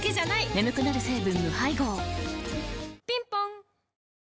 眠くなる成分無配合ぴんぽん